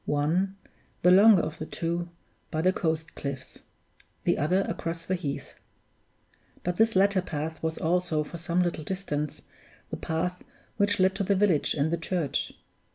One, the longer of the two, by the coast cliffs; the other across the heath. But this latter path was also, for some little distance, the path which led to the village and the church.